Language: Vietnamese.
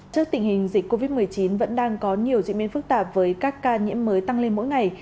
trước tình hình dịch covid một mươi chín vẫn đang có nhiều diễn biến phức tạp với các ca nhiễm mới tăng lên mỗi ngày